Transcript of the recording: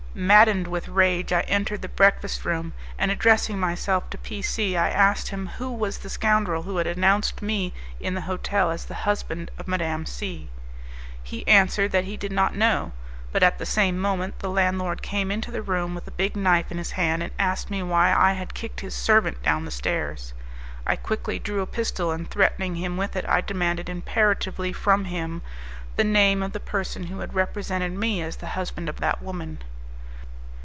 Maddened with rage I entered the breakfast room, and addressing myself to P C , I asked him who was the scoundrel who had announced me in the hotel as the husband of Madame C . He answered that he did not know; but at the same moment the landlord came into the room with a big knife in his hand, and asked me why I had kicked his servant down the stairs. I quickly drew a pistol, and threatening him with it I demanded imperatively from him the name of the person who had represented me as the husband of that woman.